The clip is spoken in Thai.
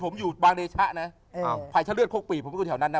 ผมอยู่บางเดชะนะอ่าภัยชะเลือดโคกปีกผมก็อยู่แถวนั้นนะ